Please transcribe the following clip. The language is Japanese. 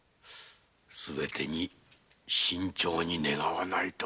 すべてに慎重に願わないと。